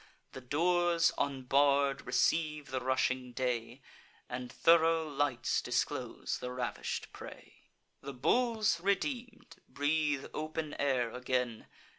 The doors, unbarr'd, receive the rushing day, And thoro' lights disclose the ravish'd prey. The bulls, redeem'd, breathe open air again.